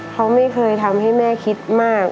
เขาไม่เคยทำให้แม่คิดมาก